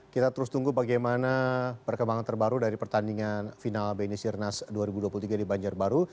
kita terus tunggu bagaimana perkembangan terbaru dari pertandingan final bni sirnas dua ribu dua puluh tiga di banjarbaru